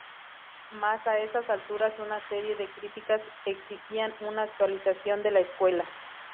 Mas a esas alturas una serie de críticas exigían una actualización de la escuela.